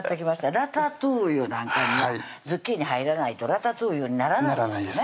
ラタトゥイユなんかにはズッキーニ入らないとラタトゥイユにならないですね